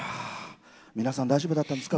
皆さん大丈夫だったんですか？